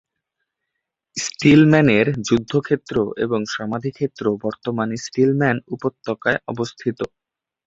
স্টিলম্যানের যুদ্ধক্ষেত্র এবং সমাধিক্ষেত্র বর্তমান স্টিলম্যান উপত্যকায় অবস্থিত।